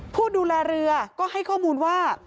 ผู้ดูแลเรือก็ให้ข้อมูลว่า